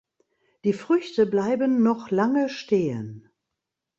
Die Früchte bleiben noch lange stehen.